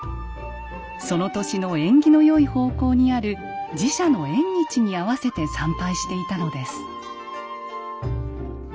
その年の縁起の良い方向にある寺社の縁日に合わせて参拝していたのです。